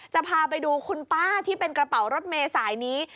จะพาไปดูคุณป้าที่เป็นกระเป๋ารถเมย์สายนี้